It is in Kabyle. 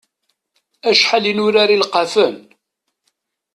Acḥal i nurar ilqafen!